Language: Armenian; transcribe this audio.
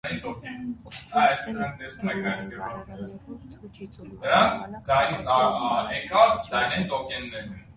Ուսումնասիրել է դոմնային վառարաններում թուջի ձուլման ժամանակ տաք օդի մղման ազդեցությունը։